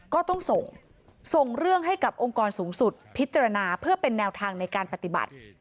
ก็ต้องส่งส่งเรื่องให้กับองค์กรสูงสุดพิจารณาเพื่อเป็นแนวทางในการปฏิบัติ